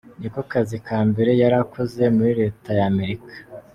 Ni ko kazi ka mbere yari akoze muri leta y'Amerika.